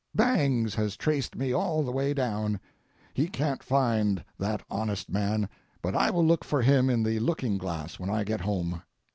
Bangs has traced me all the way down. He can't find that honest man, but I will look for him in the looking glass when I get home.